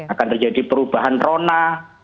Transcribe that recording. akan terjadi perubahan rona